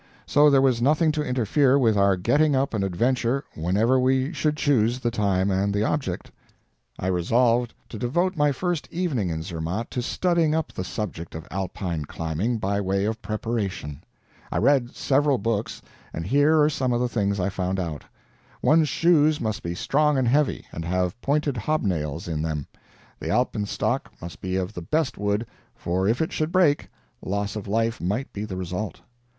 So there was nothing to interfere with our getting up an adventure whenever we should choose the time and the object. I resolved to devote my first evening in Zermatt to studying up the subject of Alpine climbing, by way of preparation. I read several books, and here are some of the things I found out. One's shoes must be strong and heavy, and have pointed hobnails in them. The alpenstock must be of the best wood, for if it should break, loss of life might be the result.